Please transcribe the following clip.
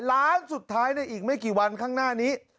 ล้านสุดท้ายในอีกไม่กี่วันข้างหน้านี้